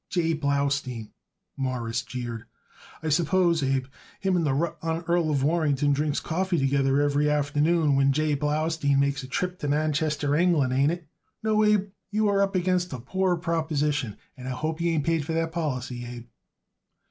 "J. Blaustein," Morris jeered. "I suppose, Abe, him and the rutt honn Earl of Warrington drinks coffee together every afternoon when J. Blaustein makes a trip to Manchester, England. Ain't it? No, Abe, you are up against a poor proposition, and I hope you ain't paid for that policy, Abe."